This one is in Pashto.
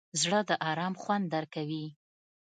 زړه د ارام خوند ورکوي.